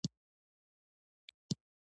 انګرېزانو د ډیورنډ تړون لاسلیک کړ.